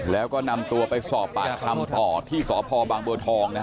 แล้วก็นำตัวไปสอบปากคำออกที่สภอยบางบวทอง